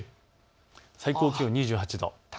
最高気温２８度。